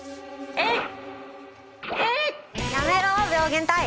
えいっ！